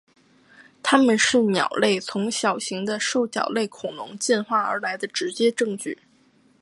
它们是鸟类从小型的兽脚类恐龙进化而来的直接证据。